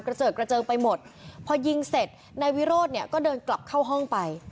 เจิดกระเจิงไปหมดพอยิงเสร็จนายวิโรธเนี่ยก็เดินกลับเข้าห้องไป